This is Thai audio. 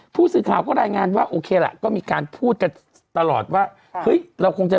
ผู้สี่ข่าวก็รายงานว่าโอเคล่ะก็มีการพูดแต่ตลอดว่า